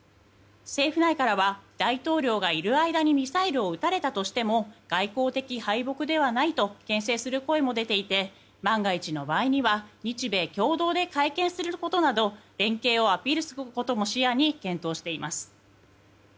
政府内からは大統領がいる間にミサイルを撃たれたとしても外交的敗北ではないと牽制する声も出ていて万が一の場合には日米共同で会見することなど連携をアピールすることも視野に検討しています。